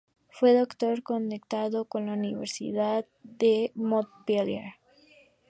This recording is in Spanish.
Fue doctor, conectado con la Universidad de Montpellier.